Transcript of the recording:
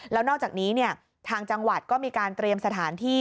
แล้วนอกจากนี้ทางจังหวัดก็มีการเตรียมสถานที่